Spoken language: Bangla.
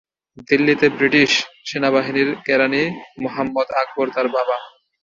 দিল্লিতে ব্রিটিশ সেনাবাহিনীর কেরানি মুহাম্মদ আকবর তার বাবা।